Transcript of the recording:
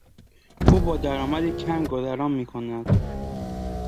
او با درآمدی کم گذران میکند.